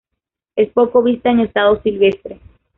Es poco vista en estado silvestre.